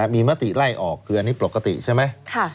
มีมติไล่ออกคืออันนี้ปกติใช่ไหม